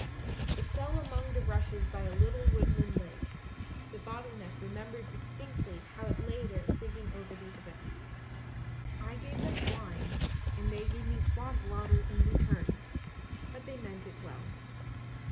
It fell among the rushes by a little woodland lake. The bottle neck remembered distinctly how it lay there thinking over these events. " I gave them wine, and they gave me swamp water in return, but they meant it well."